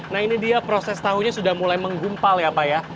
nah ini dia proses tahunya sudah mulai menggumpal ya pak ya